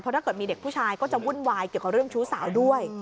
ถ้าเกิดมีเด็กผู้ชายก็จะวุ่นวายเกี่ยวกับเรื่องชู้สาวด้วย